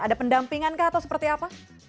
ada pendampingankah atau seperti apa